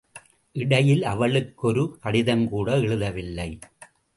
இடையில் அவளுக்கு ஒரு கடிதங் கூட எழுதவில்லை.